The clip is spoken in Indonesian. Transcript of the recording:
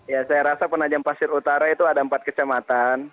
ya saya rasa penajam pasir utara itu ada empat kecamatan